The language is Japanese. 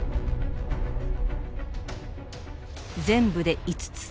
全部で５つ。